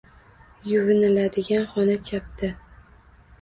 Yuviniladigan xona chapda.